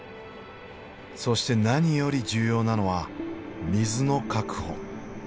そして何より重要なのは水の確保。